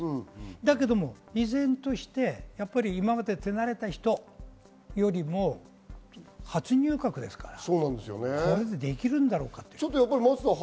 だけど依然として今まで手馴れた人よりも、初入閣ですから、これでできるんだろうかということです。